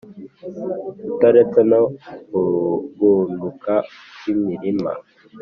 utaretse no kugunduka kw'imirima.